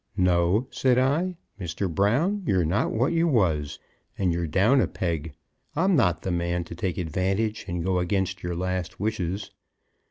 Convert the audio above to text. "No," said I, "Mr. Brown; you're not what you was and you're down a peg; I'm not the man to take advantage and go against your last wishes.